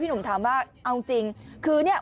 หนุ่มถามว่าเอาจริงคือเนี่ย